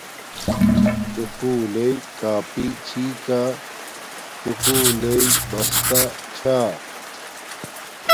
سکُولݵ کاپی چھی کا سکُول لݵ بستا چھا